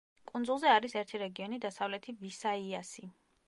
კუნძულზე არის ერთი რეგიონი, დასავლეთი ვისაიასი.